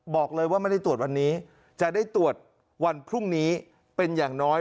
บอกว่าไม่ได้ตรวจวันนี้จะได้ตรวจวันพรุ่งนี้เป็นอย่างน้อย